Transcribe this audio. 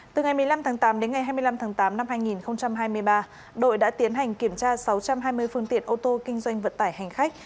từ ngày một mươi năm tháng tám đến ngày hai mươi năm tháng tám năm hai nghìn hai mươi ba đội đã tiến hành kiểm tra sáu trăm hai mươi phương tiện ô tô kinh doanh vận tải hành khách